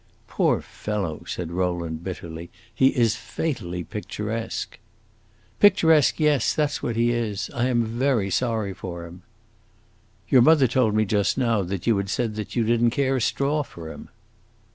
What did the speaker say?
"Poor fellow!" said Rowland, bitterly; "he is fatally picturesque." "Picturesque, yes; that 's what he is. I am very sorry for him." "Your mother told me just now that you had said that you did n't care a straw for him."